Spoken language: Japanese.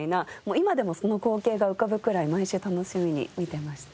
今でもその光景が浮かぶくらい毎週楽しみに見てました。